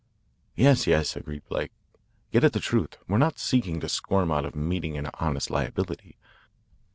"Yes, yes," agreed Blake. "Get at the truth. We're not seeking to squirm out of meeting an honest liability.